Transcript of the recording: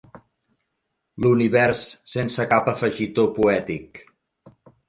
L'univers sense cap afegitó poètic.